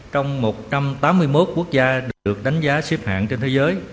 trong một trăm tám mươi một quốc gia được đánh giá xếp hạng trên thế giới